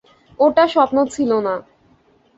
ওটা স্বপ্ন ছিল না।